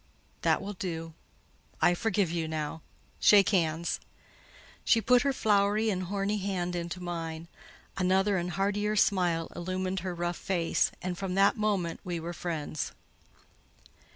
"That will do—I forgive you now. Shake hands." She put her floury and horny hand into mine; another and heartier smile illumined her rough face, and from that moment we were friends.